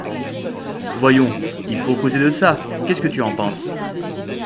Voyons, il faut causer de ça ; qu’est-ce que tu en penses ?